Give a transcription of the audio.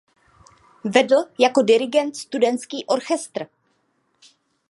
Vedl jako dirigent studentský orchestr.